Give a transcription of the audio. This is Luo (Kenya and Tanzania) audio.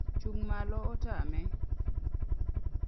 Chung' malo otame